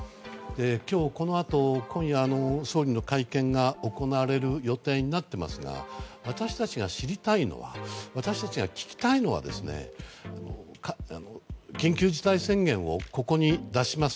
今日、このあと今夜総理の会見が行われる予定ですが私たちが知りたいのは私たちが聞きたいのは緊急事態宣言をここに出します。